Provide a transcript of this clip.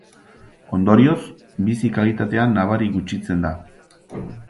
Ondorioz, bizi kalitatea nabari gutxitzen da.